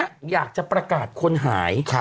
อยากจะประกาศคนหาย